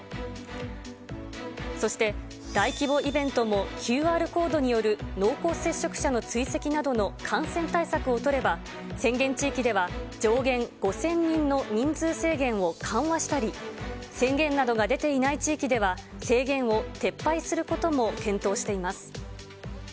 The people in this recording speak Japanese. そして、大規模イベントもＱＲコードによる濃厚接触者の追跡などの感染対策を取れば、宣言地域では、上限５０００人の人数制限を緩和したり、宣言などが出ていない地域では、制限を撤廃することも検討しています。